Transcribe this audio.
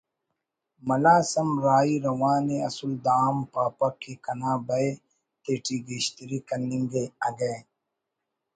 ملاس ہم راہی روان ءِ اسل داہم پاپک کہ کنا بئے تیٹی گیشتری کننگے اگہ